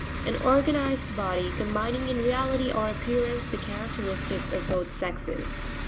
An organized body, com bining in reality or appearance the characteristics of both sexes.